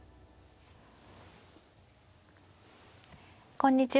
こんにちは。